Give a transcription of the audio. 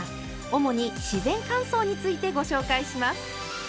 主に自然乾燥についてご紹介します！